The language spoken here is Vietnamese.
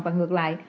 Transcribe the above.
và ngược lại